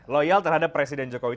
loyal terhadap presiden jokowi